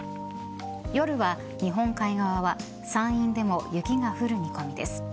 夜は日本海側は山陰でも雪が降る見込みです。